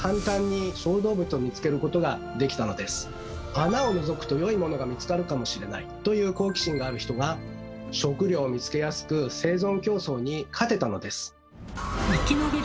穴をのぞくと良いモノが見つかるかもしれないという好奇心がある人が食料を見つけやすく生存競争に勝てたのです。